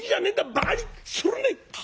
バカにするねい！」。